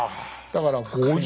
だから５０年。